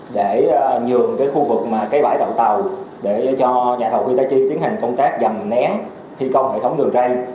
để nhường khu vực cây bãi tạo tàu để cho nhà thầu hitachi tiến hành công tác dằm nén thi công hệ thống đường rây